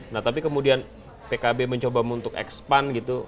nah tapi kemudian pkb mencoba untuk expand gitu